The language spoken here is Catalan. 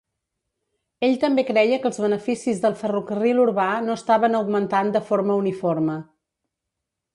Ell també creia que els beneficis del ferrocarril urbà no estaven augmentat de forma uniforme.